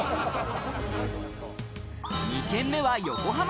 ２軒目は横浜。